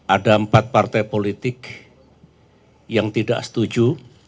ada empat partai politik yang tidak setuju